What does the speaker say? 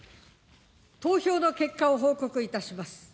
投票の結果を報告いたします。